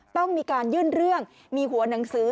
ต้องมีการยื่นเรื่องมีหัวหนังสือ